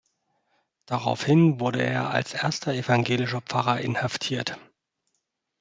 Daraufhin wurde er als erster evangelischer Pfarrer inhaftiert.